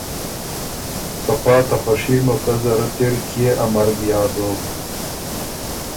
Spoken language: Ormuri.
که پا ته خوشي موقع زرت اِر کيې ا مرګ یاد دوک